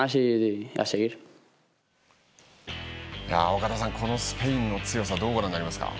岡田さん、このスペインの強さ、どうご覧になりますか。